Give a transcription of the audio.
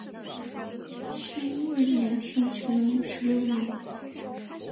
辛未年是乾隆十六年。